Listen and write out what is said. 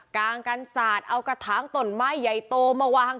งกันสาดเอากระถางตนไม้ใหญ่โตมาวาง